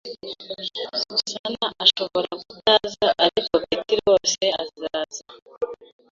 Susan ashobora kutaza, ariko Betty rwose azaza.